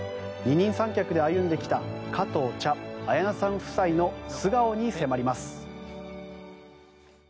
二人三脚で歩んできた加藤茶、綾菜さん夫妻の素顔に迫ります。